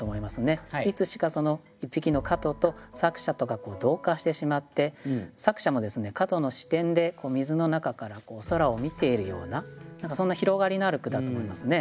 いつしかその一匹の蝌蚪と作者とが同化してしまって作者もですね蝌蚪の視点で水の中から空を見ているような何かそんな広がりのある句だと思いますね。